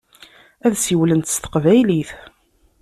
Ad siwlent s teqbaylit.